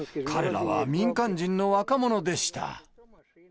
彼らは民間人の若者でした。